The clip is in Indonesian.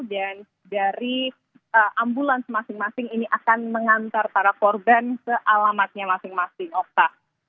dan dari ambulans masing masing ini akan mengantar para korban ke alamatnya masing masing osta